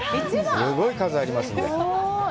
すごい数がありますんで。